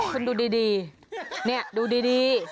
คุณดูดีนี่ดูดี